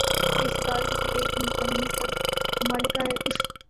یہ استدلال کسی ایک ملک کا نہیں، سب ممالک کا ہے۔